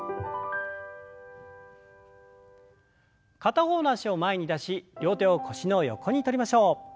片方の脚を前に出し両手を腰の横にとりましょう。